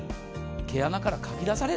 毛穴からかき出される。